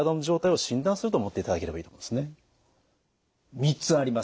３つあります。